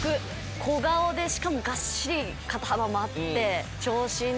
小顔でしかもがっしり肩幅もあって長身で。